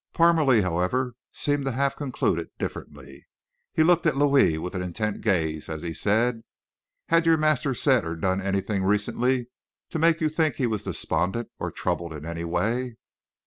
Parmalee, however, seemed to have concluded differently. He looked at Louis with an intent gaze as he said, "Had your master said or done anything recently to make you think he was despondent or troubled in any way?"